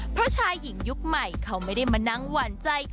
เพราะชายหญิงยุคใหม่เขาไม่ได้มานั่งหวานใจ